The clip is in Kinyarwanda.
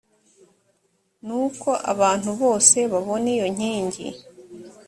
ni uko abantu bose babona iyo nkingi